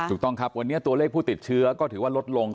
ถูกต้องครับวันนี้ตัวเลขผู้ติดเชื้อก็ถือว่าลดลง